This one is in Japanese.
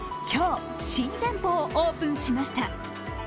今日、新店舗をオープンしました。